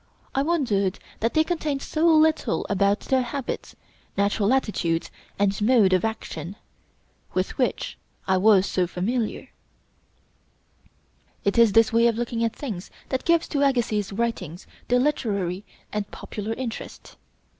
I wondered that they contained so little about their habits, natural attitudes, and mode of action, with which I was so familiar." [Illustration: J.L.R. AGASSIZ.] It is this way of looking at things that gives to Agassiz's writings their literary and popular interest.